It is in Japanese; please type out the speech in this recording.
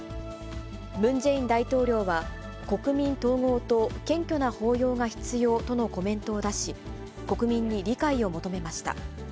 ムン・ジェイン大統領は、国民統合と謙虚な包容が必要とのコメントを出し、国民に理解を求めました。